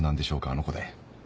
あの子で。